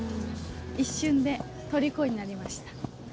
一瞬でとりこになりました。